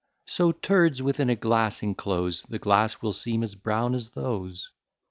So t ds within a glass enclose, The glass will seem as brown as those.